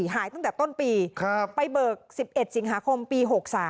หายตั้งแต่ต้นปีไปเบิก๑๑สิงหาคมปี๖๓